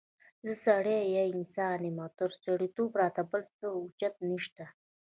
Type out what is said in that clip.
زه سړی یا انسان يم او تر سړیتوبه را ته بل څه اوچت نشته